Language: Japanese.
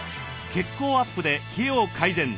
血行アップで冷えを改善！